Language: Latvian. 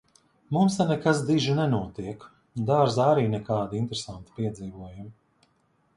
Mums te nekas diži nenotiek. Dārzā arī nekādi interesanti piedzīvojumi.